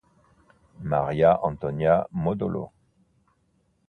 Maria Antonia Modolo